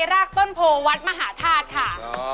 รากต้นโพวัดมหาธาตุค่ะ